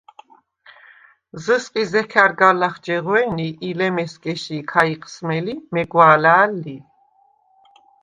ზჷსყი ზექა̈რ გარ ლახ ჯეღვე̄ნი ი ლემესგ ეში̄ ქა იჴსმელი, მეგვა̄ლა̄̈ლ ლი.